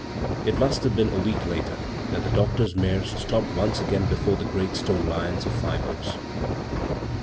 It must have been a week later that the doctor's mare stopped once again before the great stone lions of Five Oaks.